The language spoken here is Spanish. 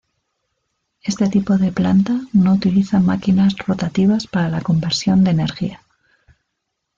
Este tipo de planta no utiliza máquinas rotativas para la conversión de energía.